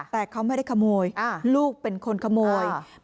แต่เขาไม่ได้ขโมยลูกเป็นคนขโมย